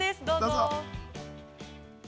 どうぞ。